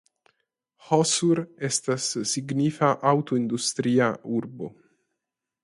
Hosur estas signifa aŭtoindustria urbo.